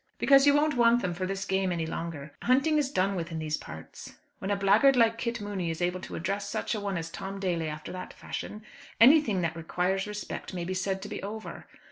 "Because you won't want them for this game any longer. Hunting is done with in these parts. When a blackguard like Kit Mooney is able to address such a one as Tom Daly after that fashion, anything that requires respect may be said to be over.